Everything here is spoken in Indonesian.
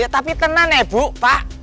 tapi tenang ya bu pak